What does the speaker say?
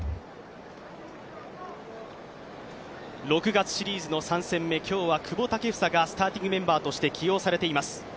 ６月シリーズの３戦目、今日は久保建英がスターティングメンバーとして起用されています。